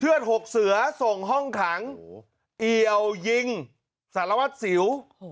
เทือนหกเสือส่งห้องถังเอี่ยวยิงสารวัสสิว